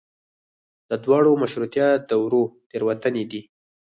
د دواړو مشروطیه دورو تېروتنې دي.